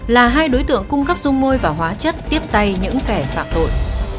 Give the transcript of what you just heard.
là hai đối tượng cung cấp dung môi và hóa chất tiếp tay những kẻ phạm tội